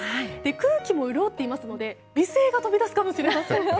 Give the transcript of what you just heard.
空気も潤っていますので美声が飛び出すかもしれません。